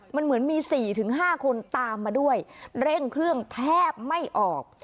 มันเหมือนมี๔๕คนตามมาด้วยเร่งเครื่องแทบไม่ออก